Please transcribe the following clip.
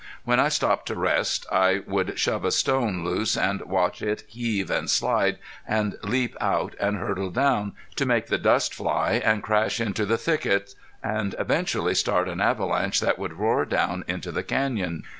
When I stopped to rest I would shove a stone loose and watch it heave and slide, and leap out and hurtle down, to make the dust fly, and crash into the thickets, and eventually start an avalanche that would roar down into the canyon.